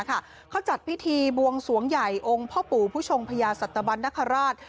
เขาจัดพิธีบวงสวงใหญ่องค์พ่อปู่ผู้ชงพญาสัตวรรณคราช